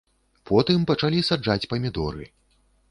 Потым пачалі саджаць памідоры.